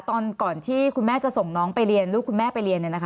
ตอนที่จะไปอยู่โรงเรียนนี้แปลว่าเรียนจบมไหนคะ